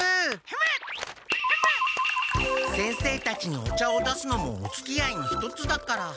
先生たちにお茶を出すのもおつきあいの一つだから。